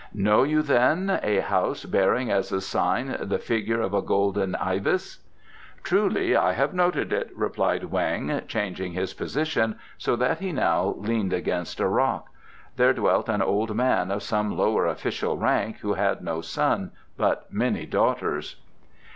"Know you, then a house bearing as a sign the figure of a golden ibis?" "Truly; I have noted it," replied Weng, changing his position, so that he now leaned against a rock. "There dwelt an old man of some lower official rank, who had no son but many daughters."